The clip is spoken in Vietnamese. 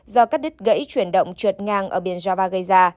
do các đứt gãy chuyển động trượt ngang ở biển java gây ra